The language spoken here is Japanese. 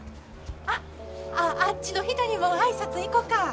あっああっちの人にも挨拶行こか。